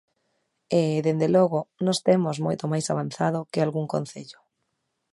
E, dende logo, nós temos moito máis avanzado que algún concello.